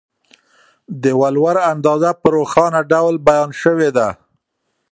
د ولور اندازه په روښانه ډول بیان سوې ده.